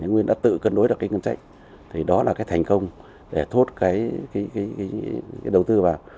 thái nguyên đã tự cân đối được cái ngân sách thì đó là cái thành công để thu hút cái đầu tư vào